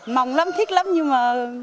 mong lắm thích lắm nhưng mà